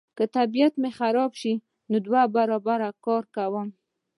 که مې طبیعت خراب شي دوه برابره کار کوم.